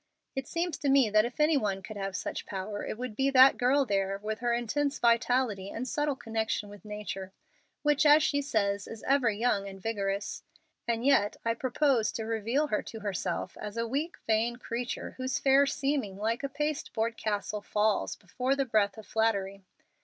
It seems to me that if any one could have such power it would be that girl there with her intense vitality and subtle connection with nature, which, as she says, is ever young and vigorous. And yet I propose to reveal her to herself as a weak, vain creature, whose fair seeming like a pasteboard castle falls before the breath of flattery.